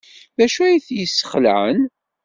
D acu ay t-yesxelɛen?